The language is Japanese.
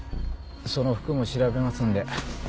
その服も調べますんで。